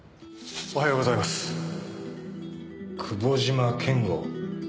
おはようございます久保島健悟。